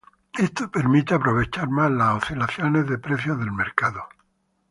Esto permite aprovechar más las oscilaciones de precios del mercado.